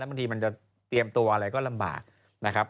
บางทีมันจะเตรียมตัวอะไรก็ลำบากนะครับ